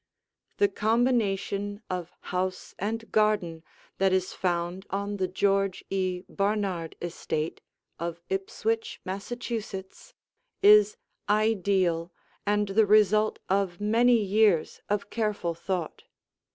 The combination of house and garden that is found on the George E. Barnard estate of Ipswich, Massachusetts, is ideal and the result of many years of careful thought.